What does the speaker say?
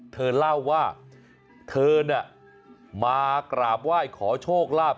เธอเล่าว่าเธอเนี่ยมากราบไหว้ขอโชคลาภ